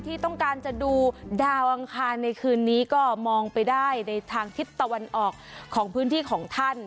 ที่ต้องการจะดูดาวอังคารในคืนนี้ก็มองไปได้ในทางทิศตะวันออกของพื้นที่ของท่าน